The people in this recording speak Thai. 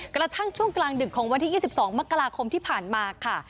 กระทั่งช่วงกลางดึกของวันที่๒๒มกราคมที่ผ่านมาค่ะ